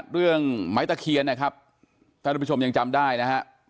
เรื่องไม้ตะเคียนนะครับท่านผู้ชมยังจำได้นะฮะ